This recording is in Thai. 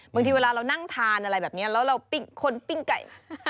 บางทีเวลาเรานั่งทานอะไรแบบนี้แล้วเราปิ้งคนปิ้งไก่มา